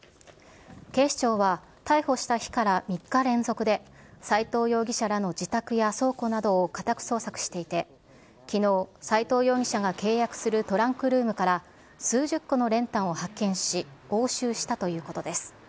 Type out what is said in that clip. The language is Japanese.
警視庁は、逮捕した日から３日連続で、斎藤容疑者らの自宅や倉庫などを家宅捜索していて、きのう、斎藤容疑者が契約するトランクルームから、数十個の練炭を発見し、押収したということです。